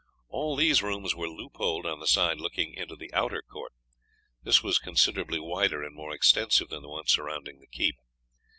All these rooms were loopholed on the side looking into the outer court. This was considerably wider and more extensive than the one surrounding the keep.